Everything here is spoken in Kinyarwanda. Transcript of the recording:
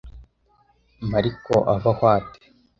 Mariko abaho ate?